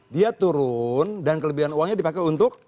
dia turun dan kelebihan uangnya dipakai untuk